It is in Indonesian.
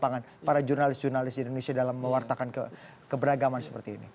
apa yang anda lihat para jurnalis jurnalis di indonesia dalam mewartakan keberagaman seperti ini